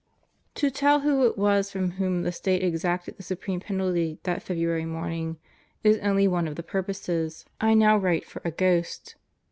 To tell who it was from whom the State exacted the supreme penalty that February morning is only one of the purposes I vii viii Foreword now write for a ghost.